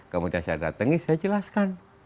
kemudian saya datangi saya jelaskan